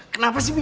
kenapa sih bibi